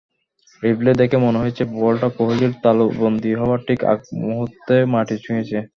Replay দেখে মনে হয়েছে, বলটা কোহলির তালুবন্দী হওয়ার ঠিক আগমুহূর্তে মাটি ছুঁয়েছে।